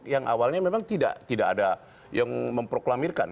yang awalnya memang tidak ada yang memproklamirkan